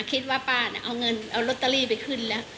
คิดว่าป้าเอาเงินเอารตรีไปขึ้นนะ